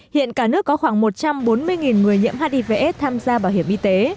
hiện cả nước có khoảng một trăm bốn mươi người nhiễm hivs tham gia bảo hiểm y tế